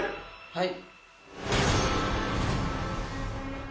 はい。